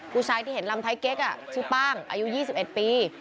ผู้ชายที่เห็นลำไทยเก๊กชื่อป้างอายุ๒๑ปี